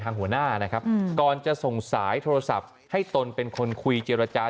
หัวหน้านะครับก่อนจะส่งสายโทรศัพท์ให้ตนเป็นคนคุยเจรจา